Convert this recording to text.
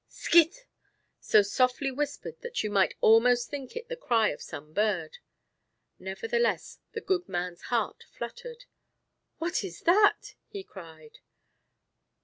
scit!" so softly whispered that you might almost think it the cry of some bird. Nevertheless, the good man's heart fluttered. "What is that?" he cried.